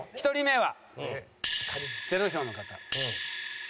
１人目は０票の方。